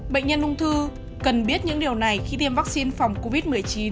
bệnh nhân ung thư cần biết những điều này khi tiêm vắc xin phòng covid một mươi chín